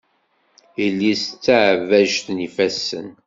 Yelli-s d taɛebbajt n yifassen.